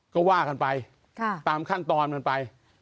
ก็ว่ากันไปตามขั้นตอนมันไป